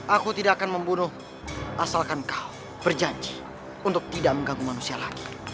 aku tidak akan membunuh asalkan kau berjanji untuk tidak mengganggu manusia lagi